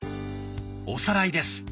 おさらいです。